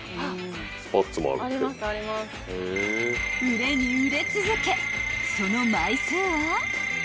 ［売れに売れ続けその枚数は］